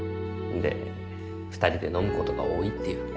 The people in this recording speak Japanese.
んで２人で飲むことが多いっていう。